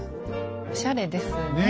おしゃれですね。